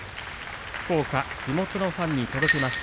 福岡地元のファンに届けました。